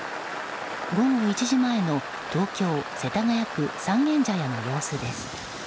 午後１時前の東京・世田谷区三軒茶屋の様子です。